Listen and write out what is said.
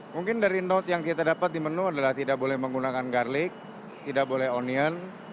mungkin dari note yang kita dapat di menu adalah tidak boleh menggunakan garlic tidak boleh onion